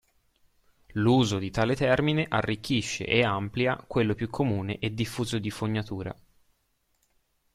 L'uso di tale termine arricchisce e amplia quello più comune e diffuso di fognatura.